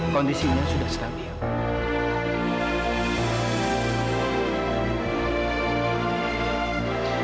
kondisinya sudah stabil